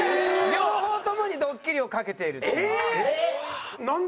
両方ともにドッキリをかけているという。